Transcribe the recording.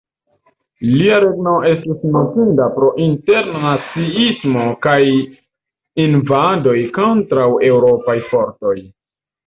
Lia regno estis notinda pro interna naciismo kaj invadoj kontraŭ Eŭropaj fortoj.